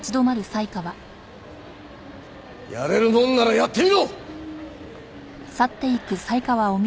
やれるもんならやってみろ！